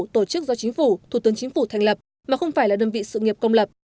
tổ chức do chính phủ thủ tướng chính phủ thành lập mà không phải là đơn vị sự nghiệp công lập